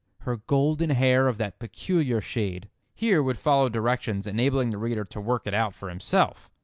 Her golden hair of that peculiar shade"—here would follow directions enabling the reader to work it out for himself.